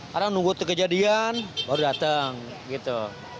kadang nunggu itu kejadian baru datang gitu